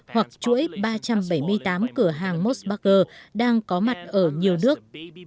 hoặc chuỗi ba trăm bảy mươi tám cửa hàng mốt burger đang có mặt ở nhiều nước